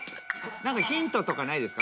何かヒントとかないですか？